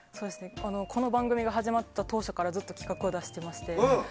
この番組が始まった当初からずっと企画を出していまして。